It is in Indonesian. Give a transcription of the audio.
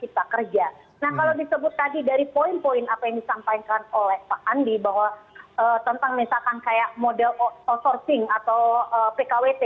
nah kalau disebut tadi dari poin poin apa yang disampaikan oleh pak andi bahwa tentang misalkan kayak model outsourcing atau pkwt